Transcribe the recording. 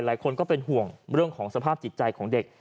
หลายคนก็เป็นห่วงเรื่องของสภาพจิตใจของเด็ก